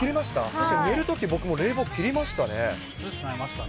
確かに寝るとき、涼しくなりましたね。